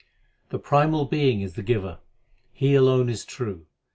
I. The Primal Being is the Giver ; He alone is true.